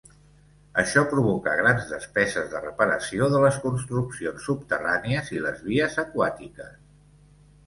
Això provoca grans despeses de reparació de les construccions subterrànies i les vies aquàtiques.